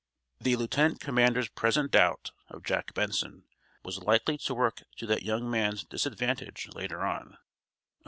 The lieutenant commander's present doubt of Jack Benson was likely to work to that young man's disadvantage later on.